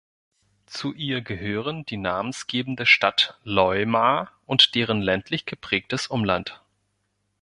Zu ihr gehören die namensgebende Stadt Loimaa und deren ländlich geprägtes Umland.